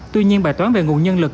tuy nhiên bài toán về ngũ nhân lực